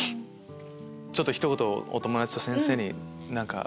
ちょっとひと言お友達と先生に何か。